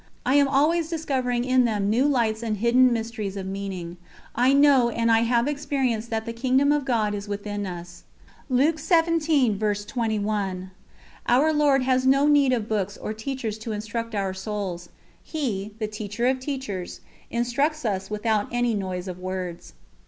I am always discovering in them new lights and hidden mysterious meanings. I know and I have experienced that "the Kingdom of God is within us." Our Lord has no need of books or teachers to instruct our souls. He, the Teacher of Teachers, instructs us without any noise of words.